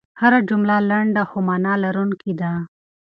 هره جمله لنډه خو مانا لرونکې ده.